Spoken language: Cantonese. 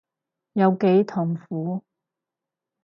有幾痛苦